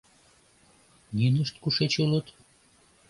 — Нинышт кушеч улыт?